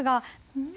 うん。